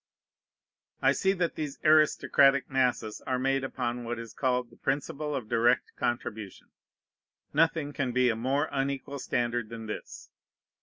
I see that these aristocratic masses are made upon what is called the principle of direct contribution. Nothing can be a more unequal standard than this.